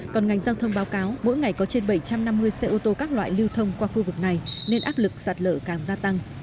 còn ngành giao thông báo cáo mỗi ngày có trên bảy trăm năm mươi xe ô tô các loại lưu thông qua khu vực này nên áp lực sạt lở càng gia tăng